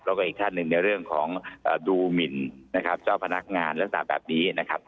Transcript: แล้วก็อีกท่านหนึ่งในเรื่องของดูหมินนะครับเจ้าพนักงานลักษณะแบบนี้นะครับ